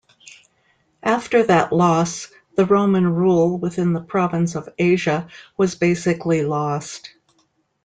After that loss the Roman rule within the province of Asia was basically lost.